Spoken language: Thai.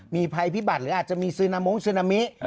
มีภัยพิบัตรหรืออาจจะมีซึนามงซึนามิ